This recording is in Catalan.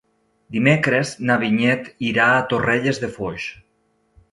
Dimecres na Vinyet irà a Torrelles de Foix.